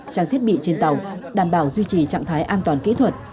trang thiết bị trên tàu đảm bảo duy trì trạng thái an toàn kỹ thuật